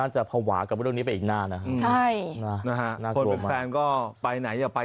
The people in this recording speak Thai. ใช่